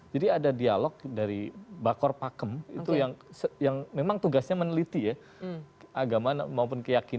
jadi ada dialog dari bakor pakem itu yang memang tugasnya meneliti ya agama maupun keyakinan